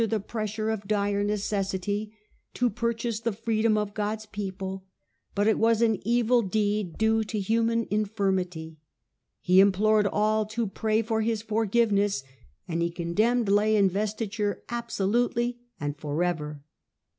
TOmpact *^® pressure of dire necessity, to purchase the with Henry freedom of God's people, but it was an evil deed due to human infirmity ; he implored all to pray for his forgiveness, and he condemned lay investiture absolutely and for ever.'